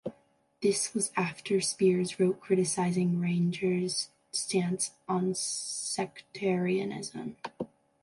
This was after Spiers wrote criticising Rangers stance on sectarianism.